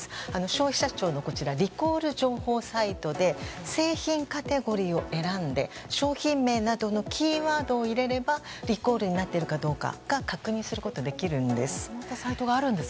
消費者庁のリコール情報サイトで製品カテゴリーを選んで商品名などのキーワードを入れればリコールになっているかどうかが確認することができるんです。